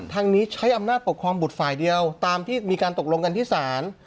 ทางนี้ใช้อำนาจปกครองบุตรฝ่ายเดียวตามที่มีการตกลงกันที่ศาล